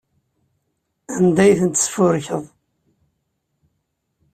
Anda ay ten-tesfurkeḍ?